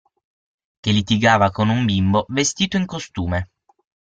Che litigava con un bimbo vestito in costume.